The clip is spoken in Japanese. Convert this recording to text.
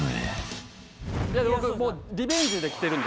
僕リベンジで来てるんで。